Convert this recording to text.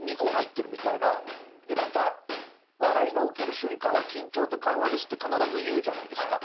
で何か笑いが起きる瞬間は緊張と緩和ですって必ず言うじゃないですか。